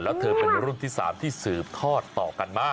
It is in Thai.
แล้วเธอเป็นรุ่นที่๓ที่สืบทอดต่อกันมา